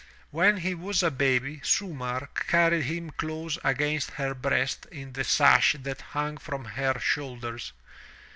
When he was a baby, Sumarr carried him close against her breast in the sash that hung from her shoulders.